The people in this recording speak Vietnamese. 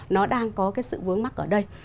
nó đang có cái sự vướng mắt ở đây